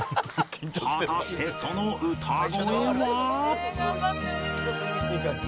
果たしてその歌声は？